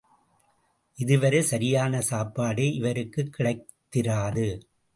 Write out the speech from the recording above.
இதுவரை சரியான சாப்பாடே இவருக்குக் கிடைத்திராது.